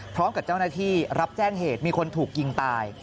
พร้อมกับเจ้าหน้าที่รับแจ้งเหตุมีคนถูกยิงตาย